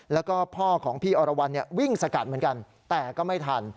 แล้วก็พ่อของพี่อรวรรณวิ่งสกัดเหมือนกันแต่ก็ไม่ทัน